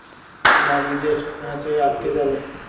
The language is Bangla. না, ব্রিজের খাঁজে আটকে যাবে।